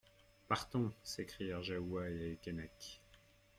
Partons ! s'écrièrent Jahoua et Keinec.